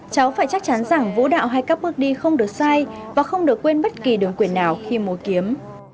cháu phải chắc chắn rằng vũ đạo hay các bước đi không được sai và không được quên bất kỳ đường quyền nào khi múa kiếm